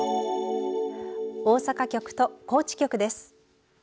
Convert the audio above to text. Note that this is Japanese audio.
大阪局と高知局です。